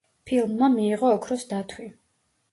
ფილმმა მიიღო ოქროს დათვი.